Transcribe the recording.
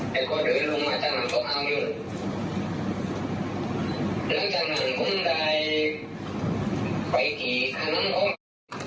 แล้วก็เดินลงมาจากนั้นก็เอาหนึ่งหลังจากนั้นก็ได้ไปกี่ขนมอบ